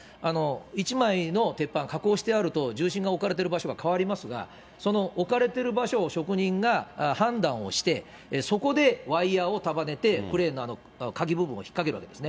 １枚の鉄板、加工してあると、重心が置かれている場所が変わりますが、その置かれてる場所を職人が判断をして、そこでワイヤを束ねて、クレーンのあの鍵部分を引っ掛けるわけですね。